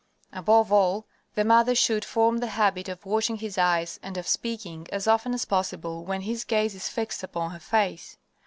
Above all, the mother should form the habit of watching his eyes and of speaking as often as possible when his gaze is fixed upon her face.